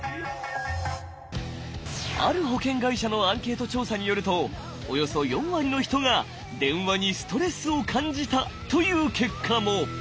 ある保険会社のアンケート調査によるとおよそ４割の人が「電話にストレスを感じた」という結果も。